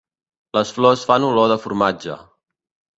Les flors fan olor de formatge.